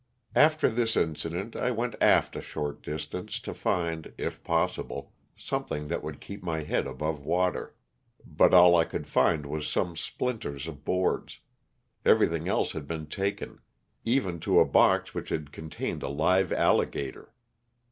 After this incident I went aft a short distance to find, if possible, something that would keep my head above water, but all I could find was some splinters of boards ; everything else had been taken, even to a box which had contained a live alligator.